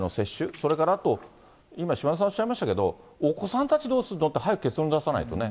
それからあと、今、島田さんおっしゃいましたけど、お子さんたちどうするのって、早く結論出さないとね。